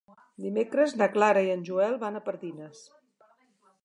Dimecres na Clara i en Joel van a Pardines.